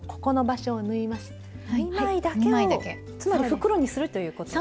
２枚だけをつまり袋にするということ。